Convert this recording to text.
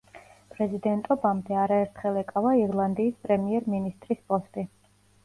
პრეზიდენტობამდე არაერთხელ ეკავა ირლანდიის პრემიერ-მინისტრის პოსტი.